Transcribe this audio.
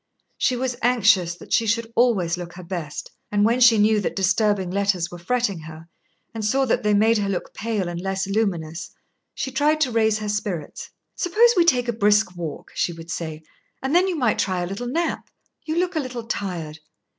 She was anxious that she should always look her best, and when she knew that disturbing letters were fretting her, and saw that they made her look pale and less luminous, she tried to raise her spirits. "Suppose we take a brisk walk," she would say, "and then you might try a little nap. You look a little tired."